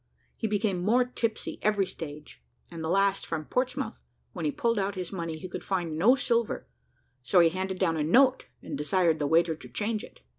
He became more tipsy every stage, and the last from Portsmouth, when he pulled out his money he could find no silver, so he handed down a note, and desired the waiter to change it.